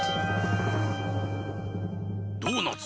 ドーナツ。